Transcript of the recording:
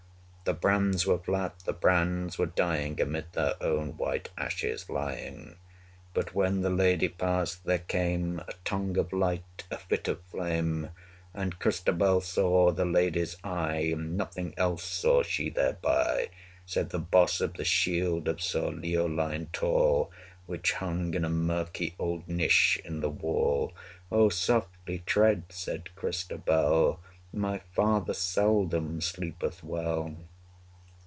155 The brands were flat, the brands were dying, Amid their own white ashes lying; But when the lady passed, there came A tongue of light, a fit of flame; And Christabel saw the lady's eye, 160 And nothing else saw she thereby, Save the boss of the shield of Sir Leoline tall, Which hung in a murky old niche in the wall. O softly tread, said Christabel, My father seldom sleepeth well.